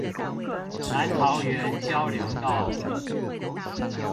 南桃園交流道